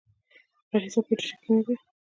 غریزه بیولوژیکي نه دی.